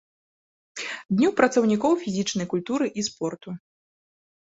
Дню працаўнікоў фізічнай культуры і спорту.